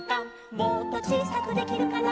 「もっとちいさくできるかな」